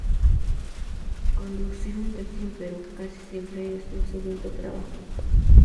Conducir un taxi en Perú casi siempre es un segundo trabajo.